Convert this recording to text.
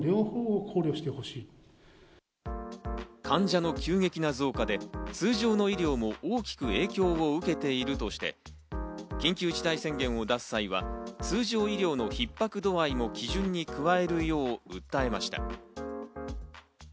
患者の急激な増加で通常の医療も大きく影響を受けているとして、緊急事態宣言を出す際は通常医療の逼迫度合いも基準に加えるよう訴えました。